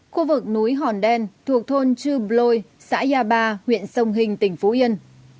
khu vực núi hòn đen thuộc thôn chư blôi xã gia ba huyện sông hình tỉnh phú yên